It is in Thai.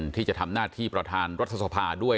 ที่จะทำหน้าที่ประธานรัฐสภาด้วย